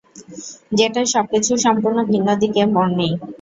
যেটায় সবকিছু সম্পূর্ণ ভিন্ন দিকে মোড় নেয়।